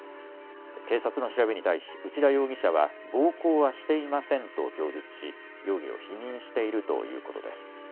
警察の調べに対し内田容疑者は暴行はしていませんと供述し容疑を否認しているということです。